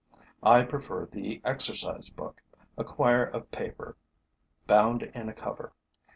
I prefer the exercise book, a quire of paper bound in a cover.